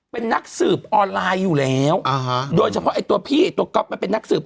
เป็นนักสืบออนไลน์อยู่แล้วอ่าฮะโดยเฉพาะไอ้ตัวพี่ไอ้ตัวก็เป็นนักสืบ